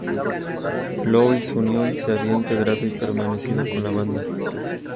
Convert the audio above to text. Louis Union, se había integrado y permanecería con la banda.